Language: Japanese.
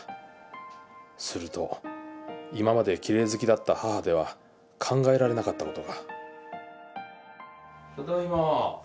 すると今まできれい好きだった母では考えられなかった事がただいま。